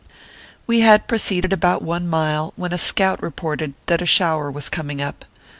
We had proceeded about one mile, when a scout re ported that a shower was coming up.